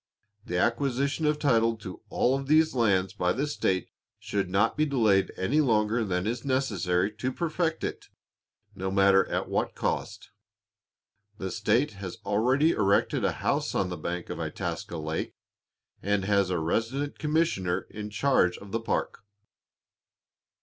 The acquisition of title to all these lands by the state should not be delayed any longer than is necessary to perfect it, no matter at what cost. The state has already erected a house on the bank of Itasca lake, and has a resident commissioner in charge of the park.